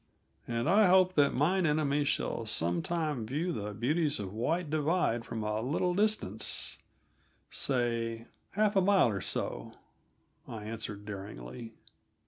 "And I hope that mine enemy shall sometimes view the beauties of White Divide from a little distance say half a mile or so," I answered daringly.